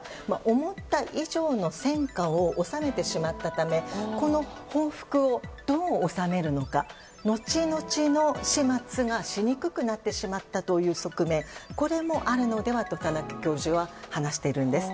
思った以上の戦果を収めてしまったためこの報復をどう収めるのか、後々の始末がしにくくなってしまったという側面もあるのではと田中教授は話しているんです。